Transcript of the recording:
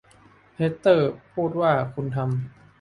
แฮตเตอร์พูดว่า คุณทำ